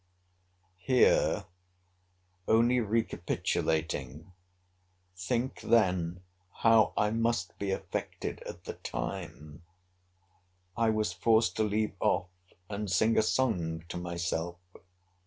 Here, only recapitulating, (think, then, how I must be affected at the time,) I was forced to leave off, and sing a song to myself.